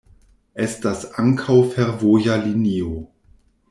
Estas ankaŭ fervoja linio.